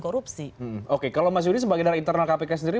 korupsi oke kalau mas yudi sebagai dari internal kpk sendiri